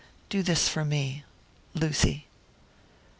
Do this for me. Lucy."